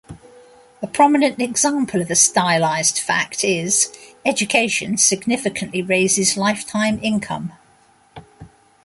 A prominent example of a stylized fact is: Education significantly raises lifetime income.